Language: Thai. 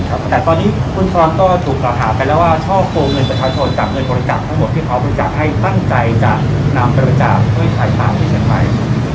แต่ตอนนี้คุณฟรรณก็ถูกบรรษาไปแล้วว่าช่อปูเงินประชาชนจากเงินบริจาคทั้งหมดที่ขอบริจาคให้ตั้งใจจะนำบริจาคด้วยภายภาพให้ใช้ไหม